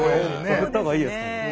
贈った方がいいですかね。